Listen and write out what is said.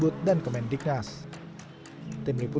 kementerian agama juga tidak mencari penyelidikan